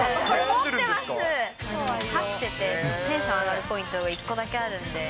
差してて、テンション上がるポイントが１個だけあるんで。